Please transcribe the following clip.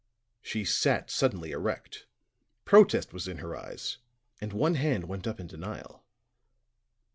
She sat suddenly erect; protest was in her eyes, and one hand went up in denial.